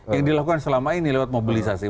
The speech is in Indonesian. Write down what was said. yang dilakukan selama ini lewat mobilisasi